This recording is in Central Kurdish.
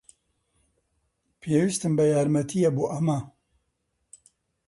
پێویستم بە یارمەتییە بۆ ئەمە.